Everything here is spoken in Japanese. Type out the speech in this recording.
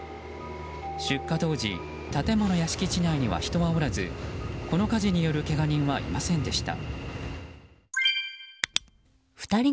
出火当時建物や敷地内には人はおらずこの火事によるけが人はいませんでした。